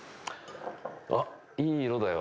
あっいい色だよ。